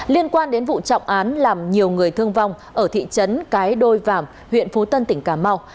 liên quan đến vụ trọng án làm nhiều người thương vong ở thị trấn cái đôi vàm huyện phú tân tỉnh cà mau